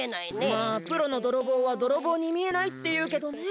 まあプロのどろぼうはどろぼうにみえないっていうけどね。